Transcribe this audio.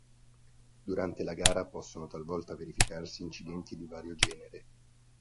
Durante la gara possono talvolta verificarsi incidenti di vario genere.